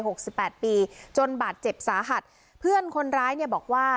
สิบแปดปีจนบาดเจ็บสาหัสเพื่อนคนร้ายเนี่ยบอกว่า